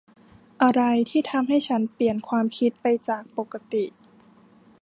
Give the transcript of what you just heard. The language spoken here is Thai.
อะไรที่ทำให้ฉันเปลี่ยนความคิดไปจากปกติ ?